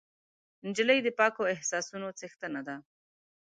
نجلۍ د پاکو احساسونو څښتنه ده.